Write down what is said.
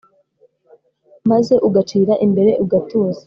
maze ugacira imbere ugatuza